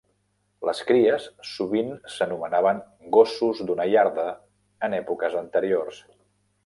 Les cries sovint s'anomenaven "gossos d'una iarda" en èpoques anteriors.